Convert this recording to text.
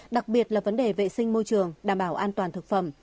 đặc biệt là vấn đề vệ sinh môi trường đảm bảo an toàn thực phẩm